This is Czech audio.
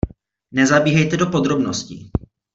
Nezabíhejte do podrobností.